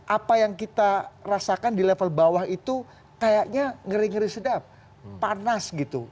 apa yang kita rasakan di level bawah itu kayaknya ngeri ngeri sedap panas gitu